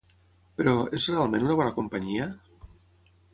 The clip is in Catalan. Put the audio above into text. Però, és realment una bona companyia?